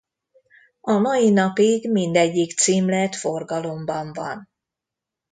A mai napig mindegyik címlet forgalomban van.